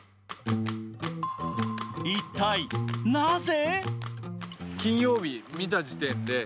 一体なぜ？